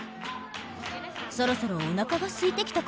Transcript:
そろそろおなかがすいてきた頃じゃない？